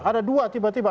ada dua tiba tiba